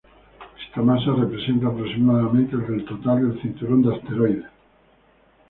Esta masa representa aproximadamente el del total del cinturón de asteroides.